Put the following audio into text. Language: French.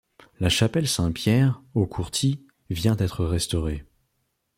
La chapelle Saint-Pierre, aux Courties, vient d’être restaurée.